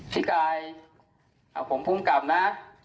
ผมพุ่งกลับนะ